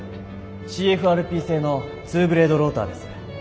ＣＦＲＰ製の２ブレードローターです。